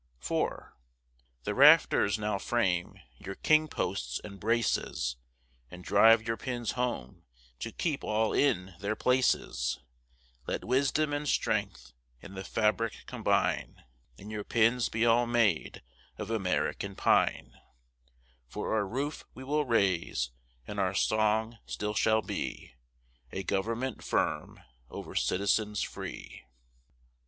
IV The rafters now frame; your king posts and braces, And drive your pins home, to keep all in their places; Let wisdom and strength in the fabric combine, And your pins be all made of American pine: For our roof we will raise, and our song still shall be, A government firm over citizens free.